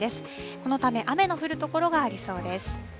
このため雨の降るところがありそうです。